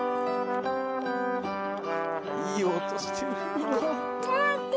いい音してる。